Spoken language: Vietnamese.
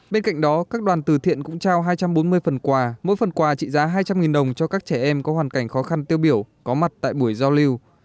bên cạnh đó các đoàn từ thiện cũng trao hai trăm bốn mươi phần quà mỗi phần quà trị giá hai trăm linh đồng cho các trẻ em có hoàn cảnh khó khăn tiêu biểu có mặt tại buổi giao lưu